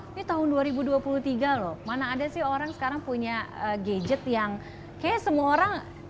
ini tahun dua ribu dua puluh tiga loh mana ada sih orang sekarang punya gadget yang kayaknya semua orang